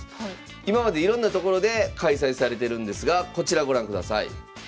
今までいろんな所で開催されてるんですがこちらご覧ください。